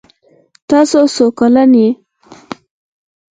تاسو څو کلن یې؟